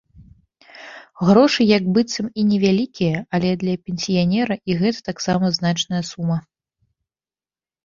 Грошы як быццам і невялікія, але для пенсіянера і гэта таксама значная сума.